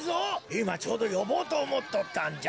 いまちょうどよぼうとおもっとったんじゃ。